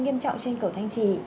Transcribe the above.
nghiêm trọng trên cầu thanh trì